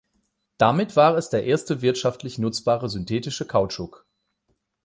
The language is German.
Damit war es der erste wirtschaftlich nutzbare synthetische Kautschuk.